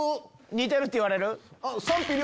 似てるって言われる？